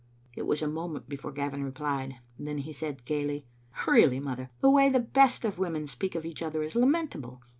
It was a moment before Gavin replied ; then he said, gaily— " Really, mother, the way the best of women speak of each other is lamentable.